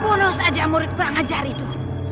bunuh saja murid kranacar itu